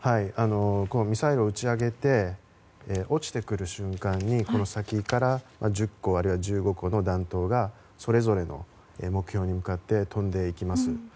ミサイルを打ち上げて落ちてくる瞬間に先から１０個あるいは１５個の弾頭がそれぞれの目標に向かって飛んでいきます。